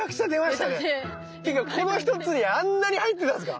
っていうかこの一つにあんなに入ってたんですか？